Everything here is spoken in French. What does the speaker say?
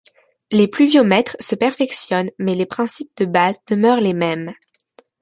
Les pluviomètres se perfectionnent mais les principes de base demeurent les mêmes.